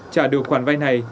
trả được khoản vay này